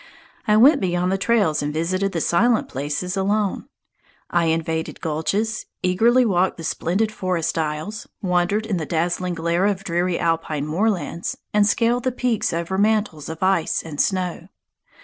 I went beyond the trails and visited the silent places alone. I invaded gulches, eagerly walked the splendid forest aisles, wandered in the dazzling glare on dreary alpine moorlands, and scaled the peaks over mantles of ice and snow.